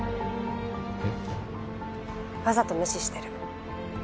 えっ？わざと無視してる。